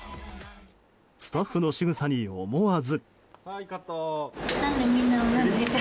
スタッフのしぐさに思わず。